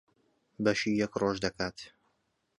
بەشی یەک ڕۆژ دەکات.